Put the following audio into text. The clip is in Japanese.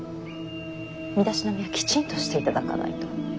身だしなみはきちんとしていただかないと。